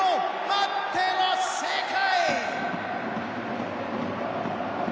待ってろ世界！